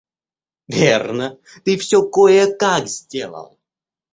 Верно, ты всё кое-как сделал.